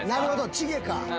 チゲか。